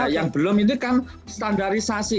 yang belum ini kan standarisasi